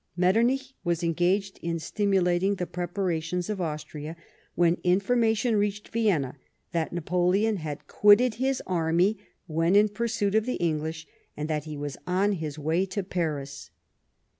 Metternich was engaged in stimulating the preparations of Austria, when information reached Vienna that Napoleon had quitted his army when in pursuit of the English, and that he was on his way to Paris.